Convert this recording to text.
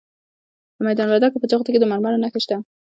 د میدان وردګو په جغتو کې د مرمرو نښې شته.